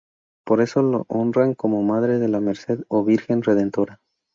Por eso la honran como Madre de la Merced o Virgen Redentora.